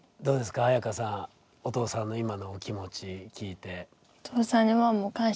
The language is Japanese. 綾華さんお父さんの今のお気持ち聞いて。